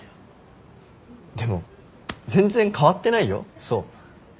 でも全然変わってないよ想。